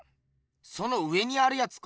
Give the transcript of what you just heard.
その上にあるやつか？